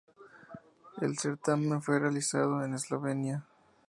El certamen fue realizado en Eslovenia.